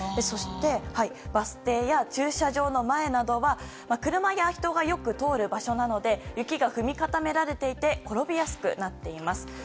そしてバス停や駐車場の前などは車や人がよく通る場所なので雪が踏み固められていて転びやすくなっています。